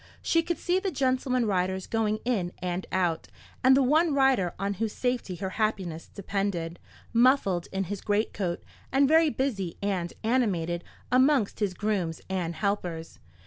She could see the gentleman riders going in and out, and the one rider on whose safety her happiness depended, muffled in his greatcoat, and very busy and animated amongst his grooms and helpers.